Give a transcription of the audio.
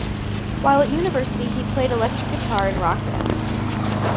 While at university he played electric guitar in rock bands.